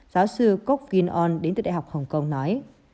giáo sư cốc vinh on đến từ đại học hồng kông nói